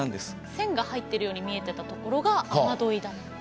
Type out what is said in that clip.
線が入ってるように見えてたところが雨だった。